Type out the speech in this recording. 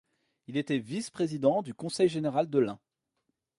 Il était vice-président du conseil général de l'Ain.